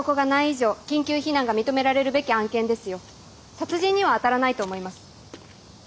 殺人にはあたらないと思います。